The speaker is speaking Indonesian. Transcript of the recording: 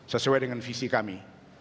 sesuai dengan visi kami